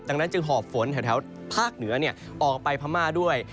ดังนั้นจึงหอบฝนแถวภาคเหนือออกไปพม่าด้วย